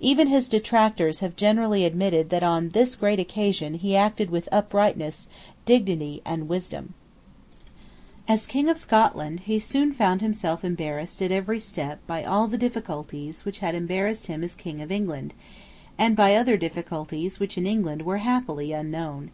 Even his detractors have generally admitted that on this great occasion he acted with uprightness, dignity, and wisdom, As King of Scotland, he soon found himself embarrassed at every step by all the difficulties which had embarrassed him as King of England, and by other difficulties which in England were happily unknown.